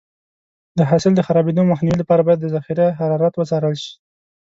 د حاصل د خرابېدو مخنیوي لپاره باید د ذخیره حرارت وڅارل شي.